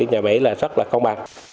nhà máy là rất là công bằng